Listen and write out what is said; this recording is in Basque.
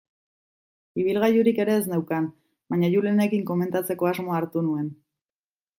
Ibilgailurik ere ez neukan, baina Julenekin komentatzeko asmoa hartu nuen.